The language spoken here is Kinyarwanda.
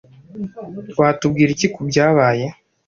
Watubwira iki kubyabaye?